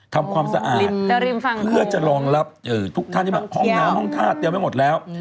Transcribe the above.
ทำความสะอาดเพื่อจะรองรับทุกท่านที่มาห้องน้ำห้องท่าเตรียมไว้หมดแล้ว